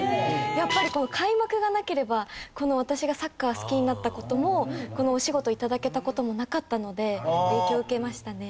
やっぱり開幕がなければ私がサッカー好きになった事もこのお仕事を頂けた事もなかったので影響を受けましたね。